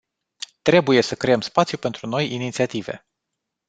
Trebuie să creăm spațiu pentru noi inițiative.